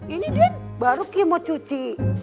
ini den baru kia mau cuci